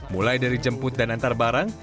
mulai dari jemput dan antar barang